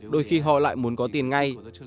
đôi khi họ lại muốn có tiền ngay